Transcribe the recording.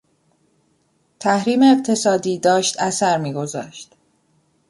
تحریم اقتصادی داشت اثر میگذاشت.